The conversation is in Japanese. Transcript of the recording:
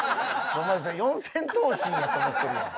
お前それ四千頭身やと思ってるやん。